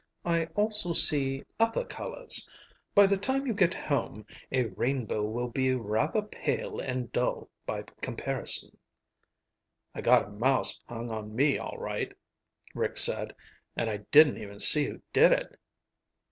"I also see other colors. By the time you get home, a rainbow will be rather pale and dull by comparison." "I got a mouse hung on me all right," Rick said. "And I didn't even see who did it."